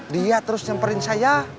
dia terus nyemperin saya